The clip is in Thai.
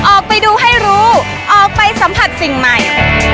ออกไปดูให้รู้ออกไปสัมผัสสิ่งใหม่